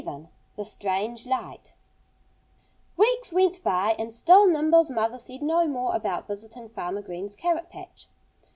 VII THE STRANGE LIGHT Weeks went by; and still Nimble's mother said no more about visiting Farmer Green's carrot patch.